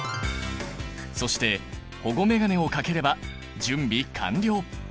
そして保護メガネをかければ準備完了。